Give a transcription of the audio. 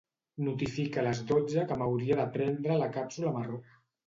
Notifica a les dotze que m'hauria de prendre la càpsula marró.